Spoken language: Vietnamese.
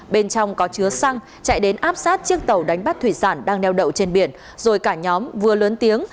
bên trong có chứa xăng chạy đến áp sát chiếc tàu đánh bắt thủy sản đang neo đậu trên biển rồi cả nhóm vừa lớn tiếng